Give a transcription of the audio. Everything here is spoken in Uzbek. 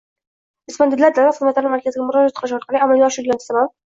respondentlar davlat xizmatlari markaziga murojaat qilish orqali amalga oshirilgani sabab